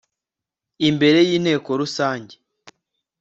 imbere y inteko rusange